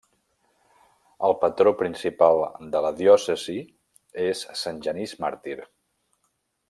El patró principal de la diòcesi és sant Genís màrtir.